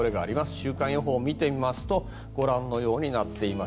週間予報を見てみますとご覧のようになっています。